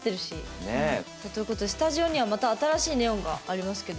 ねえ。ということでスタジオにはまた新しいネオンがありますけど。